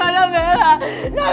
aku sudah menangis